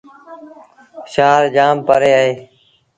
شآهر جآم پري اهي ۔